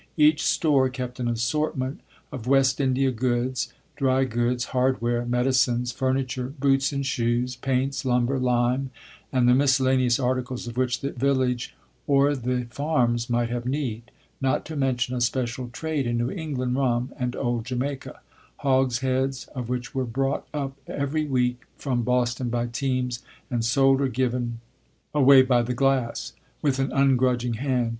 Each "store" kept an assortment of "West India goods," dry goods, hardware, medicines, furniture, boots and shoes, paints, lumber, lime, and the miscellaneous articles of which the village or the farms might have need; not to mention a special trade in New England rum and old Jamaica, hogsheads of which were brought up every week from Boston by teams, and sold or given away by the glass, with an ungrudging hand.